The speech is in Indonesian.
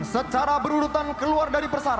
secara berurutan keluar dari pesawat